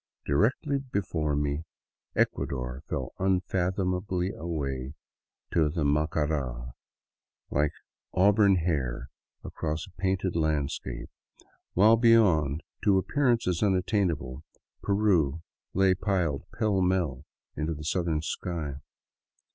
Directly before me Ecuador fell unfathomably away to the Macara, like an auburn hair across a painted landscape, while beyond, to appearances unattainable, Peru lay piled pellmell into the southern sky.